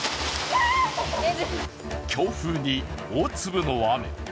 強風に、大粒の雨。